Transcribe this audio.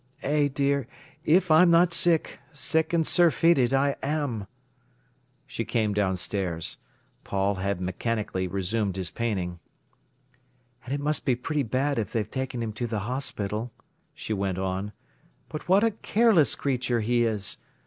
Eh, dear, if I'm not sick—sick and surfeited, I am!" She came downstairs. Paul had mechanically resumed his painting. "And it must be pretty bad if they've taken him to the hospital," she went on. "But what a careless creature he is!